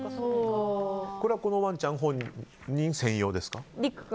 これはこのワンちゃん専用ですか？